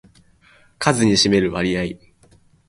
数に占める割合